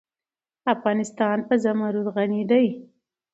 افغانستان په زمرد غني دی.